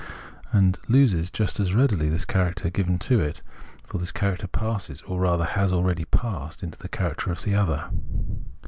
And it loses just as readily this character given to it, for this character passes, or rather has already passed, into the character of the other.